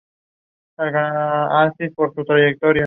Uno de ellos en individuales y los otros dos en dobles.